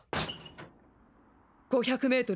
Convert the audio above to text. ５００ｍ